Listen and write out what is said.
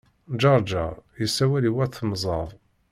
Ǧeṛǧeṛ yessawel i wat Mẓab.